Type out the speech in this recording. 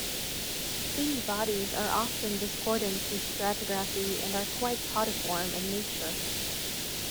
These bodies are often discordant to stratigraphy and are quite podiform in nature.